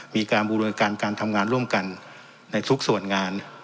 มีการบูรณการการทำงานร่วมกันในทุกส่วนงาน